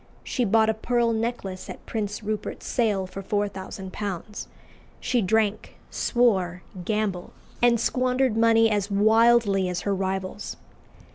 She bought a pearl necklace at Prince Rupert's sale for £4000. She drank, swore, gambled, and squandered money as wildly as her rivals.